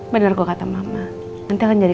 benar kok kata mama nanti akan jadi